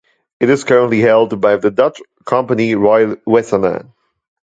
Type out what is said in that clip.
It is currently held by the Dutch company Royal Wessanen.